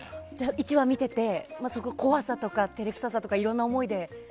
１話を見ていて怖さとか照れくささとかいろんな思いで。